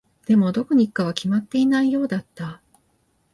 でも、どこに行くかは決まっていないようだった。